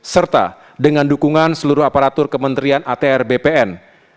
serta dengan dukungan seluruh aparatur kementerian atr bpn